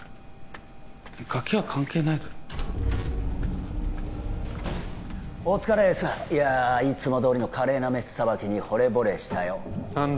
ガキは関係ないだろお疲れエースいつもどおりの華麗なメスさばきにほれぼれしたよ何だ？